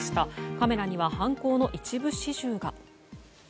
カメラには犯行の一部始終が。